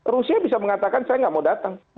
rusia bisa mengatakan saya nggak mau datang